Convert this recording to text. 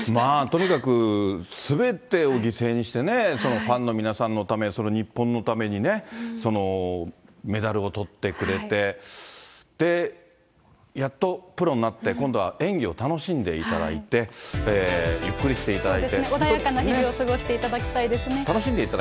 とにかく、すべてを犠牲にして、ファンの皆さんのため、その日本のためにね、そのメダルをとってくれて、やっとプロになって、今度は演技を楽しんでいただいて、ゆっくりしていただいて。